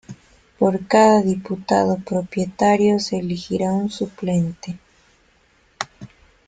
Por cada Diputado Propietario se elegirá un Suplente.